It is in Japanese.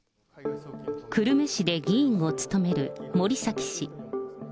久留米市で議員を務める森崎氏。